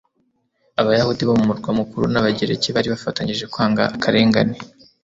abayahudi bo mu murwa mukuru n'abagereki bari bafatanyije kwanga akarengane